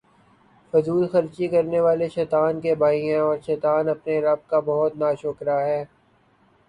فضول خرچی کرنے والے شیطان کے بھائی ہیں، اور شیطان اپنے رب کا بہت ناشکرا ہے